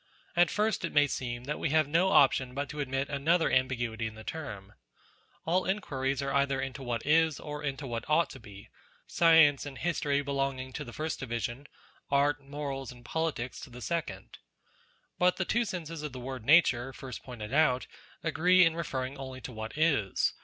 At first it may seem that we have no option but to admit another ambiguity in the term. All inquiries are either into what is, or into what ought to be : science and history belonging to the first division, art, morals and politics to the second. But the two senses of the word Nature first pointed out, agree in referring only to what is.